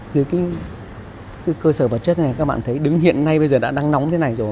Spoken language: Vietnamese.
dưới cái cơ sở vật chất này các bạn thấy đứng hiện nay bây giờ đã đang nóng thế này rồi